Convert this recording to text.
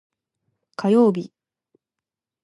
火曜日